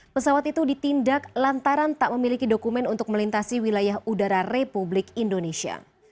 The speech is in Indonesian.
pesawat itu ditindak lantaran tak memiliki dokumen untuk melintasi wilayah udara republik indonesia